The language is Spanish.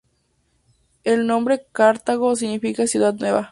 El nombre Cartago significa Ciudad Nueva.